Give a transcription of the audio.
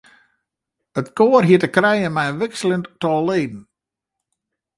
It koar hie te krijen mei in wikseljend tal leden.